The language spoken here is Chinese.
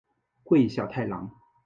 桂小太郎。